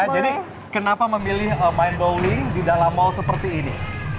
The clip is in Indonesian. jadi kenapa memilih main bowling di dalam mal seperti ini